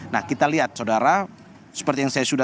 nah kita lihat saudara